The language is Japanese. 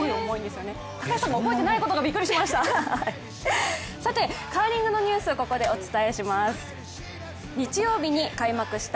高橋さんが覚えてないことがびっくりしました。